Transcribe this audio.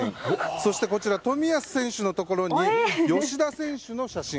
そして冨安選手のところに吉田選手の写真。